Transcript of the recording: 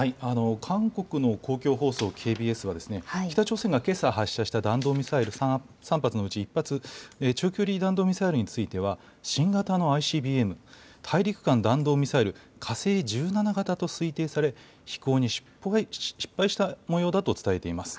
韓国の公共放送、ＫＢＳは北朝鮮がけさ発射した弾道ミサイル３発のうち１発、中距離弾道ミサイルについては新型のＩＣＢＭ・大陸間弾道ミサイル火星１７型と推定され飛行に失敗したもようだと伝えています。